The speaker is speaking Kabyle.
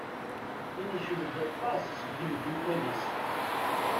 Inced-d aṭas seg yimeddukal-is.